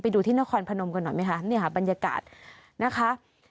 ดูที่นครพนมกันหน่อยไหมคะเนี่ยค่ะบรรยากาศนะคะ